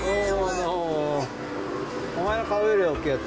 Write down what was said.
お前の顔より大きいやつ。